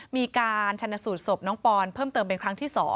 มีการชนสูตรศพน้องปอนเพิ่มเติมเป็นครั้งที่๒